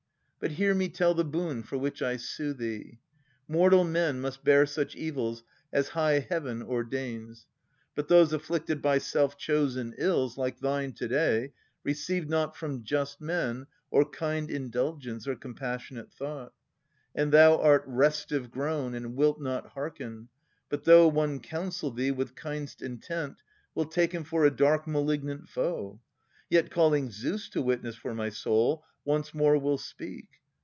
But hear me tell The boon for which I sue thee. — Mortal men Must bear such evils as high Heaven ordains ; But those afflicted by self chosen ills, Like thine to day, receive not from just men Or kind indulgence or compassionate thought. And thou art restive grown, and wilt not hearken, But though one counsel thee with kind'st intent. Wilt take him for a dark malignant foe. Yet, calling Zeus to witness for my soul. Once more will speak.